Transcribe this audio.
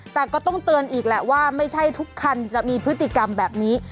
แต่ก็ต้องเตือนอีกแหละว่าไม่ใช่ทุกคันจะมีพฤติกรรมแบบนี้